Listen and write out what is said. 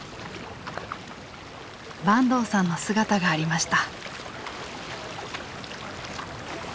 坂東さんの姿がありました。